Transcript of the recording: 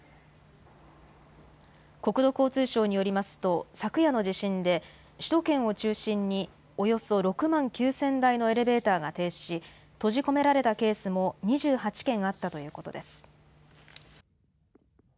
国土交通省によりますと、昨夜の地震で、首都圏を中心におよそ６万９０００台のエレベーターが停止し、閉じ込められたケースも２８件あったということです。